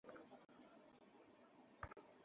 তারা বলল, পিতা!